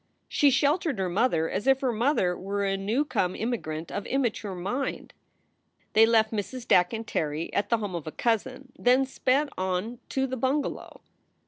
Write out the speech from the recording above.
She sheltered her mother as if her mother were a new come immigrant of immature mind. They left Mrs. Dack and Terry at the home of a cousin, then sped on to the bungalow.